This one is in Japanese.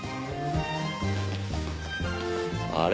あれ？